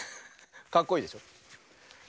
かっこいいでしょ。